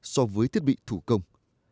so với thiết bị thủ công